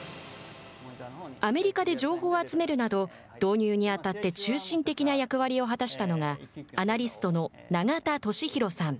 アメリカで情報を集めるなど導入に当たって中心的な役割を果たしたのがアナリストの永田俊紘さん。